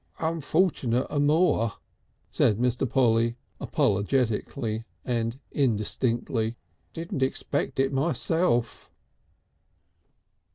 "Unfortunate amoor," said Mr. Polly, apologetically and indistinctly. "Didn't expect it myself."